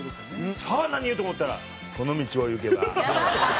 さあ何言う？と思ったら「この道を行けば」。